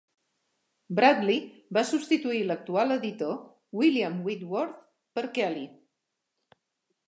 Bradley va substituir l'actual editor, William Whitworth, per Kelly.